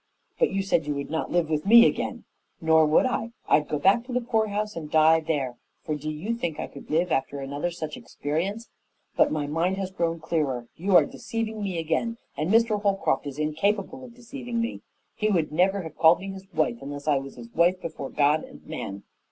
"But you said you would not live with me again?" "Nor would I. I'd go back to the poorhouse and die there, for do you think I could live after another such experience? But my mind has grown clearer. You are deceiving me again, and Mr. Holcroft is incapable of deceiving me. He would never have called me his wife unless I was his wife before God and man."